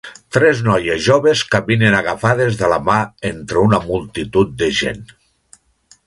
Tres noies joves caminen agafades de la mà entre una multitud de gent.